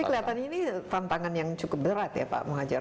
tapi kelihatannya ini tantangan yang cukup berat ya pak muhajar